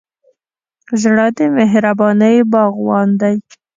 زړه د مهربانۍ باغوان دی.